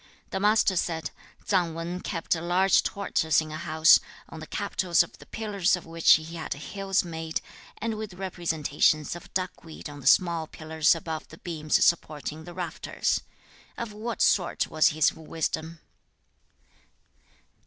The Master said, 'Tsang Wan kept a large tortoise in a house, on the capitals of the pillars of which he had hills made, and with representations of duckweed on the small pillars above the beams supporting the rafters. Of what sort was his wisdom?'